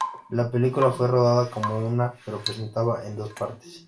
La película fue rodada como una, pero presentada en dos partes.